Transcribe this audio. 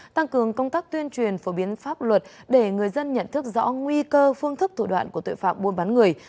tăng cường công tác tuyên truyền phổ biến pháp luật để người dân nhận thức rõ nguy cơ phương thức thủ đoạn của tội phạm buôn bán người